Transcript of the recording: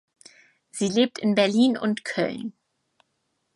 Sie lebt in Berlin und Köln.